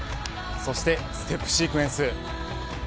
そしてステップシークエンス。